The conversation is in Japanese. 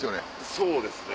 そうですね。